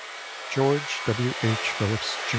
—George W. H. Phillips, Jr.